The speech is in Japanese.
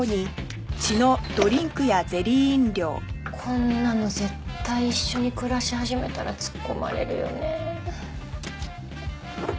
こんなの絶対一緒に暮らし始めたら突っ込まれるよね。